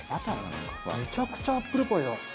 めちゃくちゃアップルパイだ。